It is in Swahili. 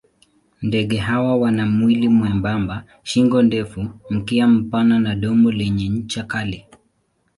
Ndege hawa wana mwili mwembamba, shingo ndefu, mkia mpana na domo lenye ncha kali.